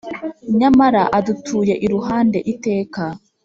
Nyamara adutuye iruhande iteka